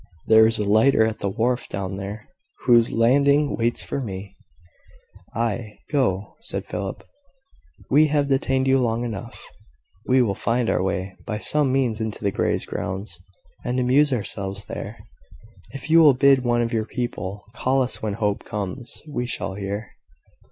There is a lighter at the wharf down there, whose lading waits for me." "Ay, go," said Philip: "we have detained you long enough. We will find our way by some means into the Greys' grounds, and amuse ourselves there. If you will bid one of your people call us when Hope comes, we shall hear."